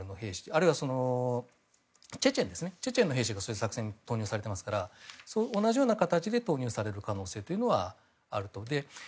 あるいはチェチェンの兵士がそういう作戦を投入されていますから同じような形で投入される可能性というのはあると。